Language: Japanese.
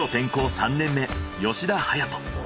３年目吉田隼人。